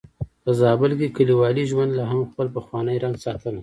په زابل کې کليوالي ژوند لا هم خپل پخوانی رنګ ساتلی.